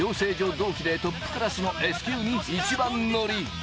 同期でトップクラスのＳ級に一番乗り。